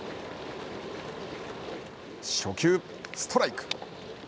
初球、ストライク。